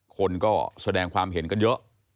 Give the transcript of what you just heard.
คนก็แสดงความเห็นกันเยอะ